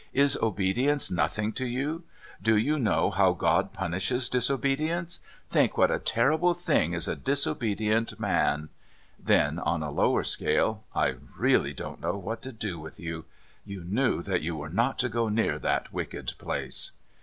"Is obedience nothing to you? Do you know how God punishes disobedience? Think what a terrible thing is a disobedient man!" Then on a lower scale: "I really don't know what to do with you. You knew that you were not to go near that wicked place."